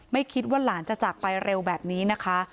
ไม่คิดว่าหลานจะจากไปเร็วแบบนี้นะคะ